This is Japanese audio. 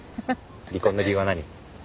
離婚の理由は何？